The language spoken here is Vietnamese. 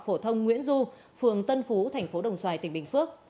phổ thông nguyễn du phường tân phú thành phố đồng xoài tỉnh bình phước